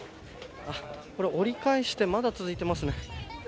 これ折り返してまだ続いていますね。